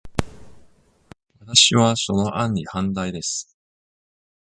私は、その案に反対です。